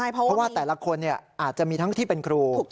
เพราะว่าแต่ละคนอาจจะมีทั้งที่เป็นครู